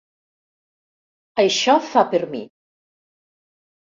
Això fa per mi.